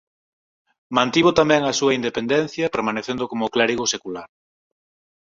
Mantivo tamén a súa independencia permanecendo como clérigo secular.